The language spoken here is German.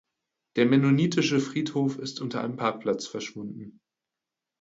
Der mennonitische Friedhof ist unter einem Parkplatz verschwunden.